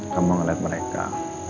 kamu ngelihat mereka